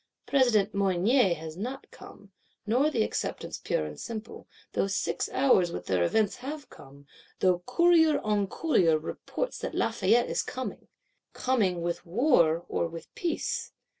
President Mounier has not come, nor the Acceptance pure and simple; though six hours with their events have come; though courier on courier reports that Lafayette is coming. Coming, with war or with peace?